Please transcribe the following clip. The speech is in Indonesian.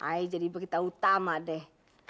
eh jadi berita utama deh